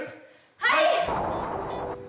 はい！